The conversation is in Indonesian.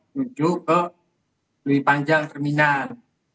menuju ke lebih panjang terminal